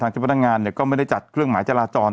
เจ้าพนักงานก็ไม่ได้จัดเครื่องหมายจราจร